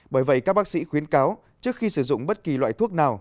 bởi vậy các bác sĩ khuyến cáo trước khi sử dụng bất kỳ loại thuốc nào